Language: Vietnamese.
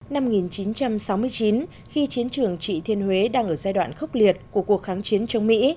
năm một nghìn chín trăm sáu mươi chín khi chiến trường trị thiên huế đang ở giai đoạn khốc liệt của cuộc kháng chiến chống mỹ